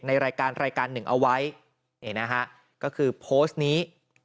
ในรายการรายการหนึ่งเอาไว้นี่นะฮะก็คือโพสต์นี้